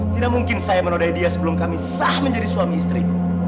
tidak mungkin saya menodai dia sebelum kami sah menjadi suami istri